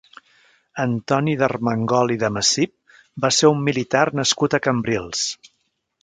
Antoni d'Armengol i de Macip va ser un militar nascut a Cambrils.